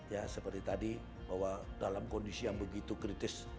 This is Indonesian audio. ya seperti tadi bahwa dalam kondisi yang begitu kritis